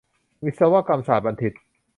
วิศวกรรมศาสตรบัณฑิต